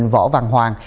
võ văn hoàng